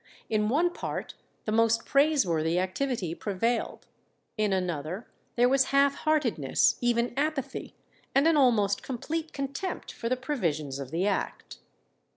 In one part the most praiseworthy activity prevailed, in another there was half heartedness, even apathy and an almost complete contempt for the provisions of the act.